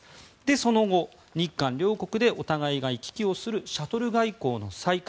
その後、日韓両国でお互いが行き来するシャトル外交の再開